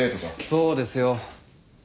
そうですよ。